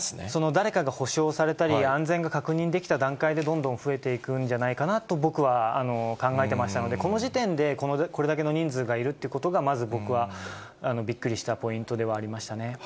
誰かが補償されたり、安全が確認できた段階でどんどん増えていくんじゃないかなと、僕は考えてましたので、この時点で、これだけの人数がいるということが、まず、僕はびっくりしたポイントではありましたね。